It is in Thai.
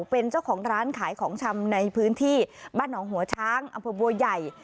เป็นเจ้าของร้านขายของชำในพื้นที่บ้านหนองหัวช้างอำเภอบัวใหญ่